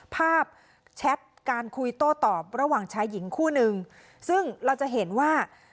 แชทการคุยโต้ตอบระหว่างชายหญิงคู่นึงซึ่งเราจะเห็นว่า